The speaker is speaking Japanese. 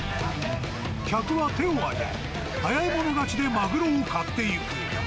客は手を挙げ、早い者勝ちでマグロを買っていく。